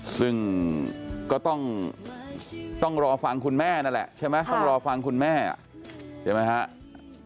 ซึ่งก็ต้องรอฟังคุณแม่นั่นแหละใช่ไหมต้องรอฟังคุณแม่ใช่ไหมครับ